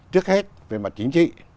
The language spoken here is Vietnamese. trước hết về mặt chính trị